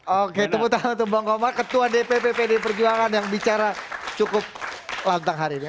oke tepuk tangan untuk bang komar ketua dpp pd perjuangan yang bicara cukup lantang hari ini